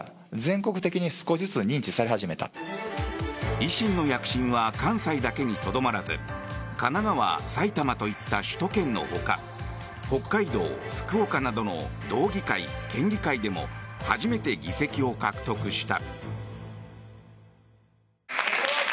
維新の躍進は関西だけにとどまらず神奈川、埼玉といった首都圏のほか北海道、福岡などの道議会、県議会でも初めて議席を獲得した。